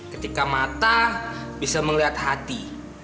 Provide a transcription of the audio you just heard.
ketika mata bisa melihat hati